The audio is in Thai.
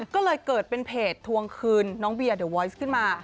ก็เลยเกิดเป็นเพจทวงคืนน้องเบียเดอร์วอยซ์ขึ้นมา